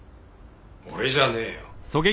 俺じゃねえよ。